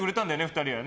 ２人は。